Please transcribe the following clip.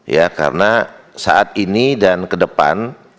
ya karena saat ini dan ke depan